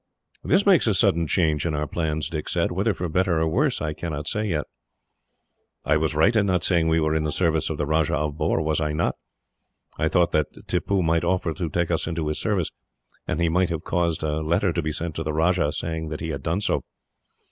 "This makes a sudden change in our plans," Dick said. "Whether for better or worse, I cannot say yet." "I was right in not saying we were in the service of the Rajah of Bhor, was I not? I thought that Tippoo would offer to take us into his service, and he might have caused a letter to be sent to the Rajah, saying that he had done so."